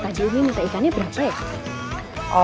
tadi umi minta ikannya berapa ya